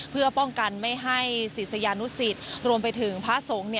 เพื่อป้องกันไม่ให้ศิษยานุสิตรวมไปถึงพระสงฆ์